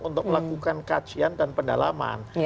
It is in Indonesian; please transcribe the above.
untuk melakukan kajian dan pendalaman